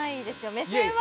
目線は。